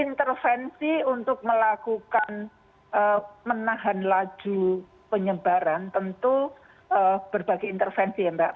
intervensi untuk melakukan menahan laju penyebaran tentu berbagai intervensi ya mbak